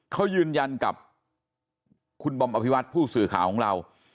เขายืนยันกับคุณบอมอภิวัตผู้สื่อข่าวของเรา